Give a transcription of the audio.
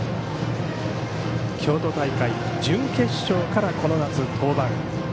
京都大会、準決勝からこの夏登板。